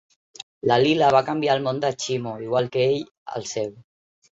La Lila va canviar el món del Chimo, igual que ell el seu.